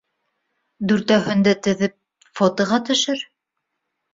— Дүртәүһен дә теҙеп фотоға төшөр.